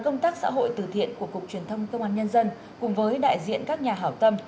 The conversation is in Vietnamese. công tác xã hội từ thiện của cục truyền thông công an nhân dân cùng với đại diện các nhà hảo tâm